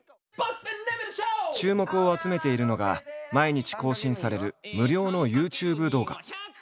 注目を集めているのが毎日更新される無料のＹｏｕＴｕｂｅ動画。